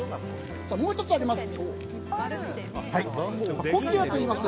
もう１つあります。